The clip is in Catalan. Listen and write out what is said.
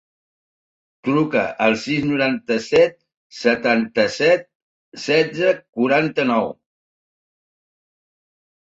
Truca al sis, noranta-set, setanta-set, setze, quaranta-nou.